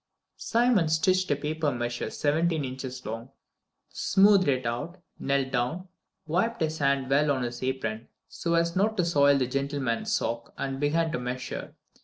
Simon stitched a paper measure seventeen inches long, smoothed it out, knelt down, wiped his hand well on his apron so as not to soil the gentleman's sock, and began to measure.